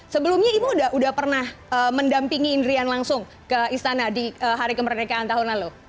sebelumnya ibu udah pernah mendampingi indrian langsung ke istana di hari kemerdekaan tahun lalu